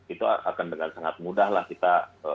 itu akan dengan sangat mudah lah kita